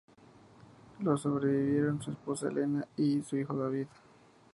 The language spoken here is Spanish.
Le sobrevivieron su esposa Elena y su hijo David.